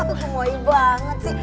aku kemui banget sih